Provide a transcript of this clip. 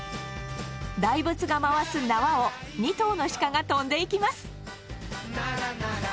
大仏が回す縄を２頭の鹿が跳んでいきます。